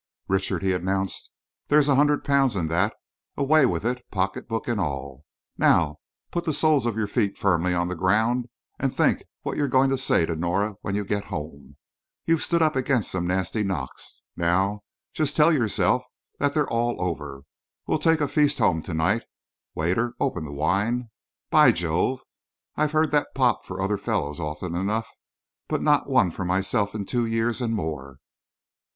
"Richard," he announced, "there's a hundred pounds in that. Away with it, pocketbook and all. Now put the soles of your feet firmly on the ground and think what you're going to say to Nora when you get home. You've stood up against some nasty knocks. Now just tell yourself that they're all over. We'll take a feast home to night. Waiter, open the wine. By Jove, I've heard that pop for other fellows often enough, but not one for myself for two years and more."